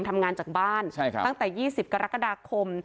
ทำงานจากบ้านตั้งแต่๒๐กรกฎาคม